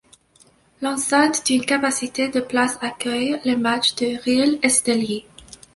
L'enceinte d'une capacité de places accueille les matchs du Real Estelí.